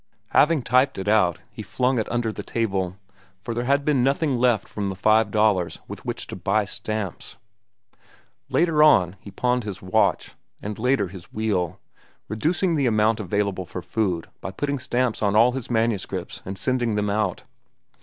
Having typed it out, he flung it under the table, for there had been nothing left from the five dollars with which to buy stamps. Later on he pawned his watch, and still later his wheel, reducing the amount available for food by putting stamps on all his manuscripts and sending them out.